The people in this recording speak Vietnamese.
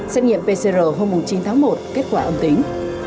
xét nghiệm pcr hôm chín tháng một kết quả âm tính